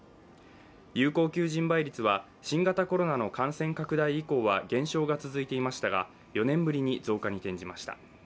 有効求人倍率は新型コロナの感染拡大以降は減少が続いていましたが４年ぶりに増加に転じました。